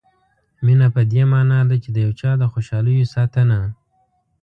مینه په دې معنا ده چې د یو چا د خوشالیو ساتنه.